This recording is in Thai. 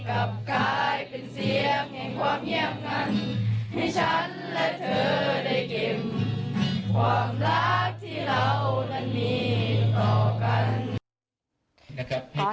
ให้ฉันและเธอได้เก็บความรับที่เรานั้นมีต่อกัน